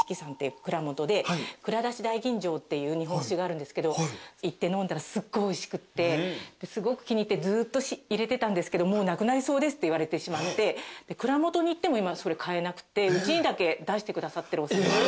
蔵出し大吟醸っていう日本酒があるんですけど行って飲んだらすごいおいしくてすごく気に入ってずっと入れてたんですけどもうなくなりそうですって言われてしまって蔵元に行っても今それ買えなくてうちにだけ出してくださってるお酒。